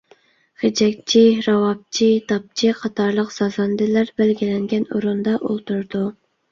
غېجەكچى، راۋابچى، داپچى قاتارلىق سازەندىلەر بەلگىلەنگەن ئورۇندا ئولتۇرىدۇ.